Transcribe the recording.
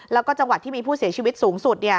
แล้วก็จังหวัดที่มีผู้เสียชีวิตสูงสุด